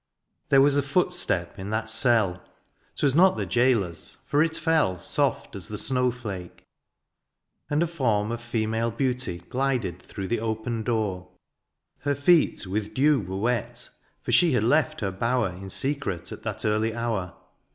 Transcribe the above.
There was a footstep in that cell, ^Twas not the jailor^s, for it fell Soft as the snow flake : and a form Of female beauty glided through The open door ; her feet with dew Were wet, for she had left her bower In secret at that early hour.